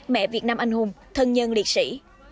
mẹ việt nam anh hùng thân nhân liệt sĩ